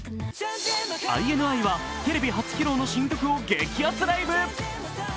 ＩＮＩはテレビ初披露の新曲を激アツライブ。